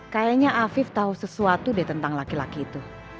kayaknya afif tahu sesuatu deh tentang laki laki itu